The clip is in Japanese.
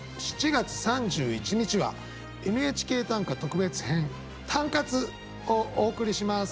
７月３１日は「ＮＨＫ短歌」特別編「タンカツ」をお送りします。